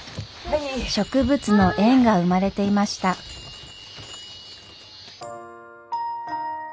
植物の縁が生まれていました。